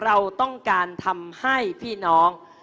เราต้องการทำให้พี่น้อง